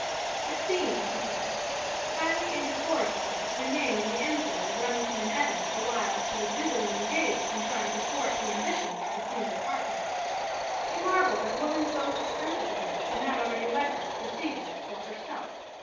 It seemed, he said, highly indecorous of her to remain in the employ of Remington and Evans the while she was busily engaged in trying to thwart the ambitions of the senior partner. He marveled that woman's boasted sensitiveness had not already led her to perceive this for herself.